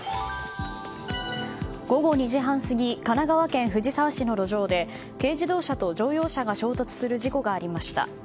午後２時半過ぎ神奈川県藤沢市の路上で軽自動車と乗用車が衝突する事故がありました。